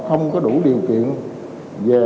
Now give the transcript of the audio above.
không có đủ điều kiện về